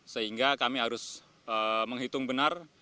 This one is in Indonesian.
sehingga kami harus menghitung benar